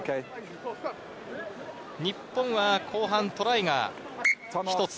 日本は後半トライが１つ。